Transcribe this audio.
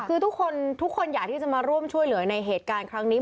คือทุกคนทุกคนอยากที่จะมาร่วมช่วยเหลือในเหตุการณ์ครั้งนี้